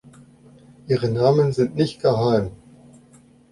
Ihre Namen sind nicht geheim.